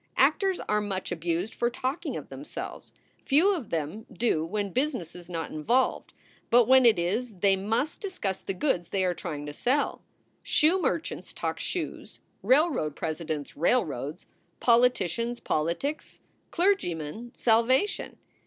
Actors are much abused for talking of themselves. Few of them do when business is not involved, but when it is they must discuss the goods they are trying to sell. Shoe merchants talk shoes: railroad presidents, railroads; poli ticians, politics; clergymen, salvation.